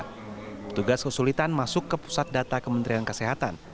petugas kesulitan masuk ke pusat data kementerian kesehatan